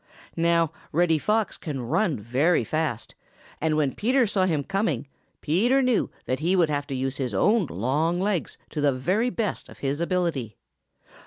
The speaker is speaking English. Now, Reddy Fox can run very fast, and when Peter saw him coming, Peter knew that he would have to use his own long legs to the very best of his ability.